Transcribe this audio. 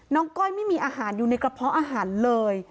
ก้อยไม่มีอาหารอยู่ในกระเพาะอาหารเลย